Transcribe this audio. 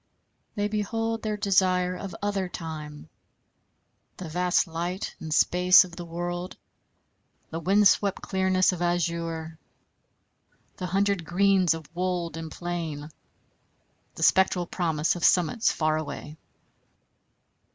They behold their desire of other time, the vast light and space of the world, the wind swept clearness of azure, the hundred greens of wold and plain, the spectral promise of summits far away.